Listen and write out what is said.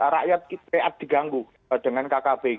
rakyat diganggu dengan kkb